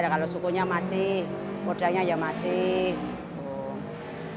kalau sukunya masih kodangnya masih